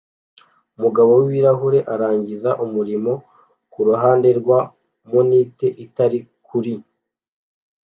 Umugabo w ibirahuri arangiza umurimo kuruhande rwa monite itari kuri